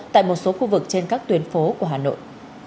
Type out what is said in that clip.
tại một số khu vực trên các tuyến phố của hà nội